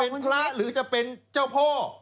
เป็นพระหรือจะเป็นเจ้าพ่อ